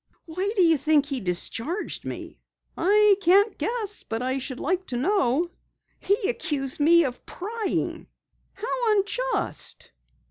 Why do you think he discharged me?" "I can't guess, but I should like to know." "He accused me of prying!" "How unjust."